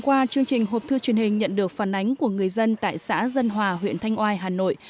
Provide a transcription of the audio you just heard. hôm qua chương trình hộp thư truyền hình nhận được phản ánh của người dân tại xã dân hòa huyện thanh oai hà nội